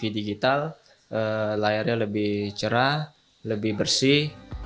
di digital layarnya lebih cerah lebih bersih